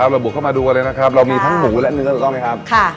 บุกเข้ามาดูกันเลยนะครับเรามีทั้งหมูและเนื้อถูกต้องไหมครับ